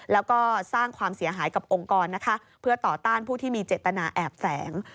แล้วก็สร้างความเสียหายกับองค์กรนะคะเพื่อต่อต้านผู้ที่มีเจตนาแอบแฝง